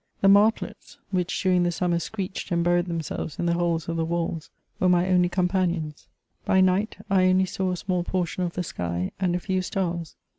The martlets, which during the summer screeched and buried themselves in the holes of the walls, were my only companions. By night, I only saw a small portion of the sky, and a few stars.